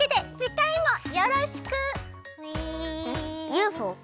ＵＦＯ？